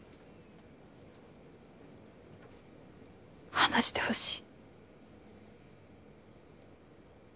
話してほしい。